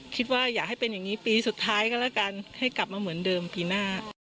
คิดว่าอยากให้เป็นอย่างนี้ปีสุดท้ายก็แล้วกันให้กลับมาเหมือนเดิมปีหน้า